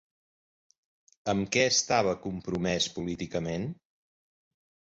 Amb què estava compromès políticament?